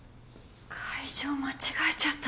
会場間違えちゃった。